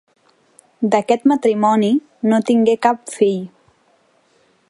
D'aquest matrimoni no tingué cap fill.